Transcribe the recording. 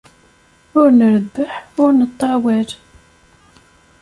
Ur nrebbeḥ, ur neṭṭawal.